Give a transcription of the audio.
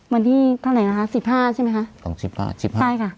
วันที่เท่าไหร่นะคะสิบห้าใช่ไหมคะสองสิบห้าสิบห้าใช่ค่ะ